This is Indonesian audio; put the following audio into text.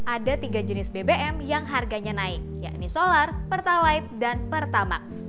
ada tiga jenis bbm yang harganya naik yakni solar pertalite dan pertamax